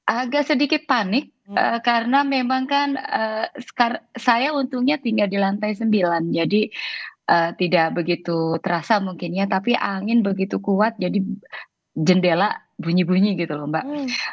agak sedikit panik karena memang kan saya untungnya tinggal di lantai sembilan jadi tidak begitu terasa mungkin ya tapi angin begitu kuat jadi jendela bunyi bunyi gitu loh mbak